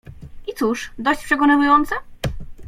"I cóż, dość przekonywujące?"